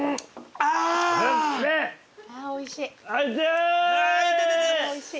ああおいしい。